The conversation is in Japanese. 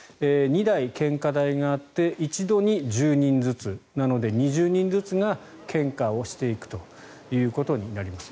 ２台献花台があって一度に１０人ずつなので２０人ずつが献花をしていくということになります。